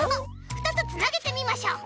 ２つつなげてみましょう！